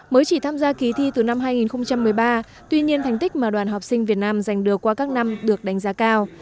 mới chỉ tham gia ký thi từ năm hai nghìn một mươi ba tuy nhiên thành tích mà đoàn học sinh việt nam giành được qua các năm được đánh giá cao